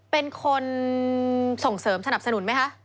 เป็นคนส่งเสริมสนับสนุนไหมคะ